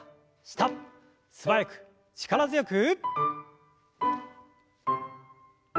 素早く力強く。